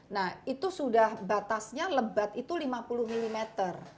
nah itu sudah batasnya lebat itu lima puluh mm